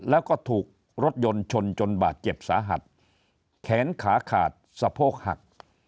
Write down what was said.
แล้วก็ถูกรถยนต์ชนจนบาดเจ็บสาหัสแขนขาขาดสะโพกหัก